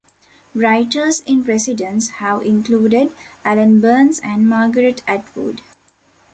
Writers-in-residence have included Alan Burns and Margaret Attwood.